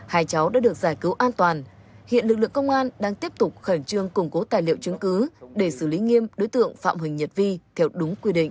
hai cháu đã được giải cứu an toàn hiện lực lượng công an đang tiếp tục khẩn trương củng cố tài liệu chứng cứ để xử lý nghiêm đối tượng phạm huỳnh nhật vi theo đúng quy định